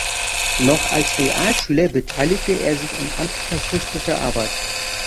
Noch als Realschüler beteiligte er sich an antifaschistischer Arbeit.